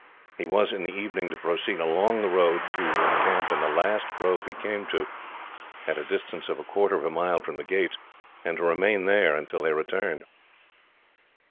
He was, in the evening, to proceed along the road, to encamp in the last grove he came to, at a distance of a quarter of a mile from the gates, and to remain there until they returned.